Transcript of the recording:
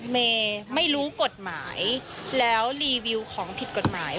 เมย์ไม่รู้กฎหมายแล้วรีวิวของผิดกฎหมาย